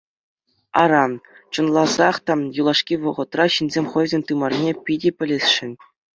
Ара, чӑнласах та юлашки вӑхӑтра ҫынсем хӑйсен тымарне питӗ пӗлесшӗн.